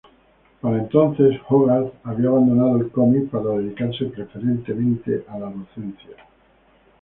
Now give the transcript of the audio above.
Para entonces, Hogarth había abandonado el cómic para dedicarse preferentemente a la docencia.